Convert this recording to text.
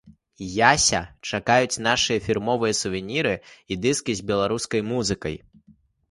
Яся чакаюць нашыя фірмовыя сувеніры і дыскі з беларускай музыкай.